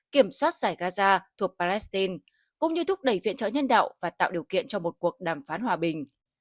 kiểm soát giải gaza thuộc palestine cũng như thúc đẩy viện trợ nhân đạo và tạo điều kiện cho một cuộc đàm phán hòa bình